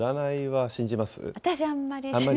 私、あんまり。